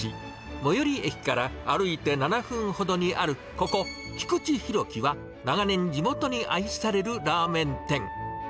最寄り駅から歩いて７分ほどにあるここ、きくちひろきは、長年、地元に愛されるラーメン店。